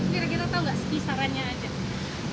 biar kita tahu nggak kisarannya aja